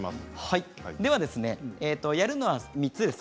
やるのは３つです。